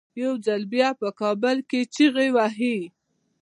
یو ځل بیا په کابل کې چیغې وهي.